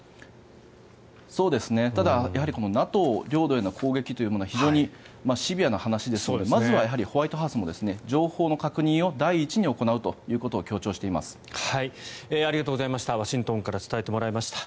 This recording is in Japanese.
ただ、やはりＮＡＴＯ領土への攻撃というものは非常にシビアな話ですのでまずはやはりホワイトハウスも情報の確認を第一に行うということをありがとうございました。